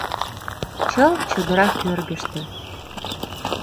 Чылт чодыра кӧргыштӧ.